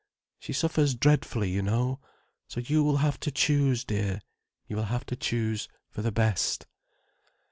She suffers dreadfully, you know. So you will have to choose, dear. You will have to choose for the best."